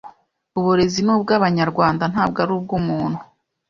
uburezi ni ubw’abanyarwanda ntabwo ari ubw’umuntu